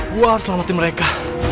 gua harus selamati mereka